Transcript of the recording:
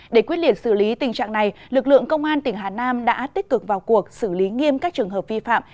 để quyết liệt xử lý tình trạng này lực lượng công an tỉnh hà nam đã tích cực vào cuộc xử lý nghiêm các trường hợp vi phạm